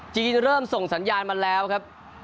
จีนเริ่มส่งสัญญาณมาแล้วครับ